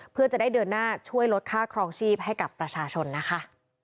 เพื่อจะได้เดินหน้าช่วยลดค่าครองชีพให้กับประชาชนนะคะ